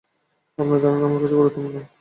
আপনার ধারণা আমার কাছে গুরুত্বপূর্ণ।